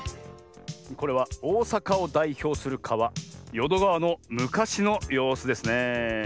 これはおおさかをだいひょうするかわよどがわのむかしのようすですねえ。